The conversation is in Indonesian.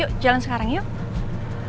yuk jalan sekarang yuk